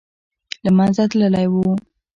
له منځه تللی وو.